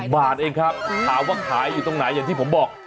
บาทเองครับถามว่าขายอยู่ตรงไหนอย่างที่ผมบอก